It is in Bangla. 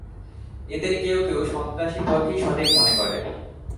এদের কেউ কেউ সন্ত্রাসী পথই সঠিক মনে করে।